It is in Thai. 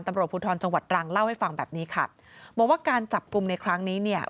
ตำรวจภูทรจังหวัดตรังเล่าให้ฟังแบบนี้ค่ะบอกว่าการจับกลุ่มในครั้งนี้เนี่ย